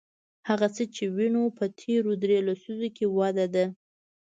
هغه څه چې وینو په تېرو درې لسیزو کې وده ده.